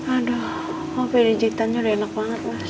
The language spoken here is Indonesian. aduh kamu pijitannya udah enak banget mas